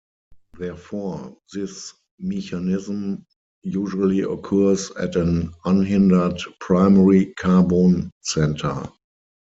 Therefore, this mechanism usually occurs at an unhindered primary carbon center.